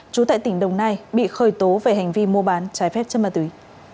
trú tại tỉnh đồng nai bị khởi tố về hành vi mua bán trái phép chất ma túy